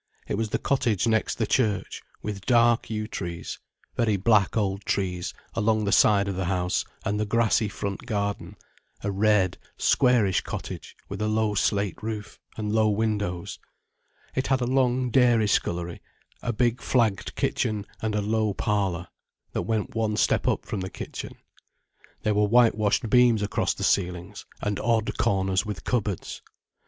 It was the cottage next the church, with dark yew trees, very black old trees, along the side of the house and the grassy front garden; a red, squarish cottage with a low slate roof, and low windows. It had a long dairy scullery, a big flagged kitchen, and a low parlour, that went up one step from the kitchen. There were whitewashed beams across the ceilings, and odd corners with cupboards.